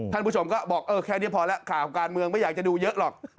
ท่านผู้ชมก็บอกเออแค่นี้พอแล้วข่าวการเมืองไม่อยากจะดูเยอะหรอก